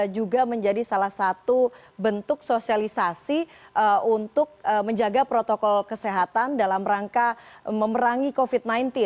juga menjadi salah satu bentuk sosialisasi untuk menjaga protokol kesehatan dalam rangka memerangi covid sembilan belas